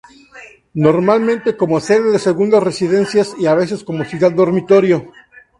Normalmente como sede de segundas residencias y a veces como ciudad dormitorio.